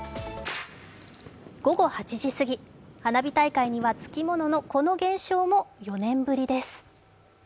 午後８時過ぎ、花火大会にはつきもののこの現象も４年ぶりです。